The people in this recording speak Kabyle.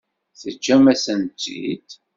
Teǧǧam-asen-tt-id?